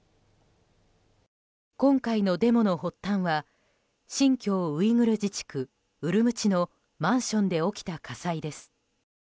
今回のデモの発端は新疆ウイグル自治区ウルムチのマンションで起きた火災です。